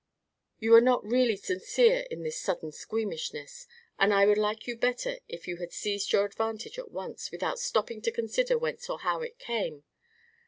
You are not really sincere in this sudden squeamishness, and I would like you better if you had seized your advantage at once, without stopping to consider whence or how it came.